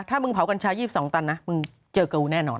ถ้ามึงเผากัญชายี่สองตันนะมึงเจอกัวแน่นอน